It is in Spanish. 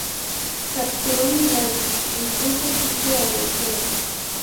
Capturó Milán y puso sitio a Mantua.